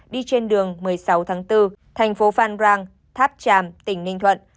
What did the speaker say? đi trên đường một mươi sáu tháng bốn thành phố phan rang tháp tràm tỉnh ninh thuận